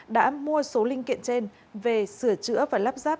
đã mua số linh kiện trên về sửa chữa và lắp ráp